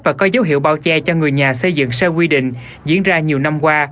và có dấu hiệu bao che cho người nhà xây dựng sai quy định diễn ra nhiều năm qua